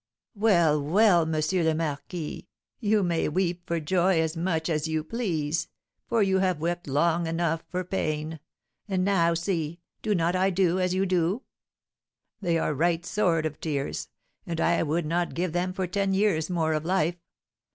"Well, well, M. le Marquis, you may weep for joy as much as you please, for you have wept long enough for pain; and now see, do not I do as you do? They are right sort of tears, and I would not give them for ten years more of life.